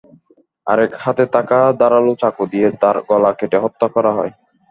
আরেক হাতে থাকা ধারালো চাকু দিয়ে তার গলা কেটে হত্যা করা হয়।